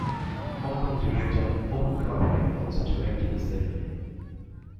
Hong Kong director Wong Kar-wai also directed the ceremony.